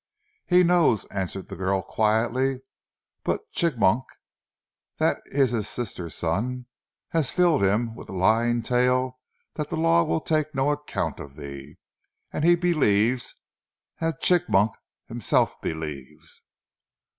"He knows," answered the girl quietly, "but Chigmok that is his sister's son has filled him with a lying tale that the law will take no account of thee, and he believes, as Chigmok himself believes."